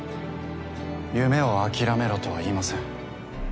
夢を諦めろとは言いません。